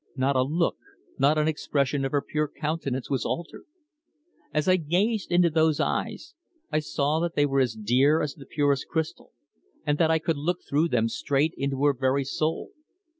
Not a look, not an expression of her pure countenance was altered. As I gazed into those eyes I saw that they were as dear as the purest crystal, and that I could look through them straight into her very soul.